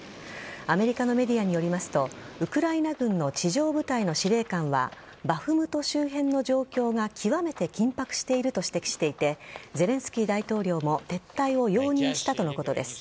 アメリカのメディアによりますとウクライナ軍の地上部隊の司令官はバフムト周辺の状況が極めて緊迫していると指摘していてゼレンスキー大統領も撤退を容認したとのことです。